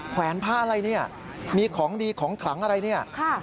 แวนผ้าอะไรเนี่ยมีของดีของขลังอะไรเนี่ย